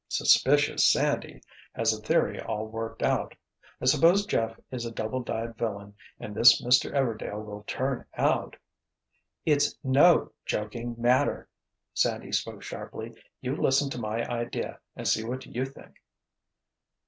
Suspicious Sandy has a theory all worked out. I suppose Jeff is a double dyed villain, and this Mr. 'Everdail' will turn out——" "It's no joking matter," Sandy spoke sharply. "You listen to my idea and see what you think."